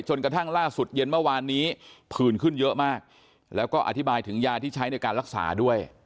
กระทั่งล่าสุดเย็นเมื่อวานนี้ผื่นขึ้นเยอะมากแล้วก็อธิบายถึงยาที่ใช้ในการรักษาด้วย